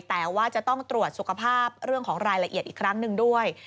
แต่ว่าจะต้องตรวจสุขภาพเรื่องของรายละเอียดอีกครั้งหนึ่งด้วย